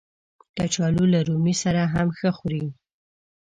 کچالو له رومي سره هم ښه خوري